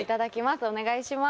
お願いします。